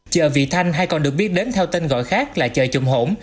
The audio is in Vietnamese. chợ vị thanh hay còn được biết đến theo tên gọi khác là chợ trùm hổm